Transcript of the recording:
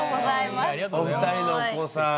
お二人のお子さん。